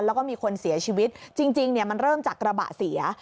แล้วก็มีคนเสียชีวิตจริงมันเริ่มจากกระบะเสีย